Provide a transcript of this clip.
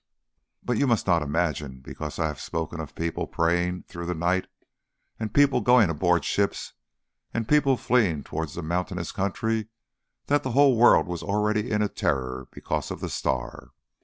But you must not imagine because I have spoken of people praying through the night and people going aboard ships and people fleeing towards mountainous country that the whole world was already in a terror because of the star.